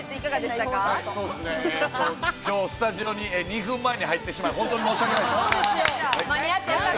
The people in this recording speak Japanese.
きょうスタジオに２分前に入ってしまい、本当に申し訳ないです。